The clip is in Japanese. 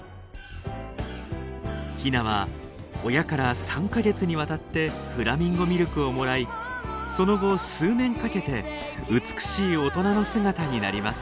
ヒナは親から３か月にわたってフラミンゴミルクをもらいその後数年かけて美しい大人の姿になります。